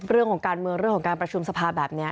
เรื่องของการเมืองเรื่องของการประชุมสภาแบบนี้